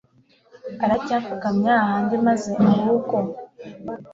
aracyapfukamye hahandi maze ahubwo